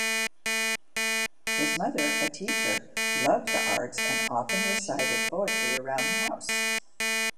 His mother, a teacher, loved the arts and often recited poetry around the house.